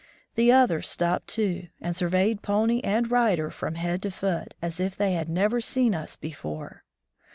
The others stopped, too, and surveyed pony and rider from head to foot, as if they had never seen us before.